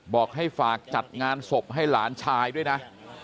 บอกให้ฝากจัดงานศพให้หลานชายด้วยนะ